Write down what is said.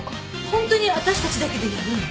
「本当に私たちだけでやるの？」